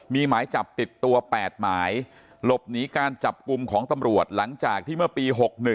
มีหมายจับติดตัว๘หมายหลบหนีการจับกลุ่มของตำรวจหลังจากที่เมื่อปี๖๑